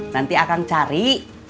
nanti akang cari